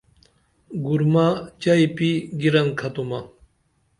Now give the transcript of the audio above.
گُرومہ چئی پی گیرنکھتُمہ